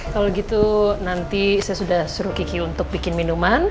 kalau gitu nanti saya sudah suruh kiki untuk bikin minuman